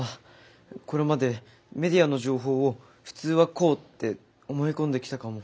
これまでメディアの情報を「普通はこう」って思い込んできたかも。